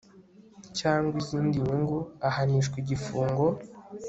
cyangwa izindi nyungu ahanishwa igifungo